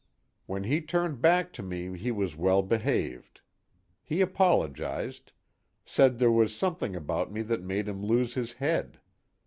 When he turned back to me he was well behaved. He apologized, said there was something about me that made him lose his head.